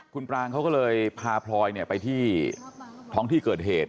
คุณปรางเขาก็เลยพาพลอยไปที่ท้องที่เกิดเหตุ